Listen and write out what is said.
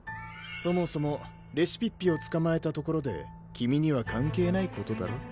そもそもレシピッピをつかまえたところで君には関係ないことだろ？